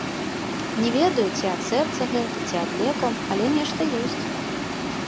Не ведаю, ці ад сэрца гэта, ці ад лекаў, але нешта ёсць.